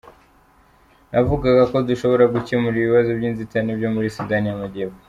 Navugaga ko tudashobora gukemura ibibazo by’inzitane byo muri Sudani y’Amajyepfo.